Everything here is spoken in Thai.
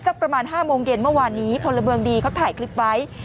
สักประมาณห้าโมงเย็นเมื่อวานนี้พลเบิร์งดีเค้าถ่ายคลิปไว้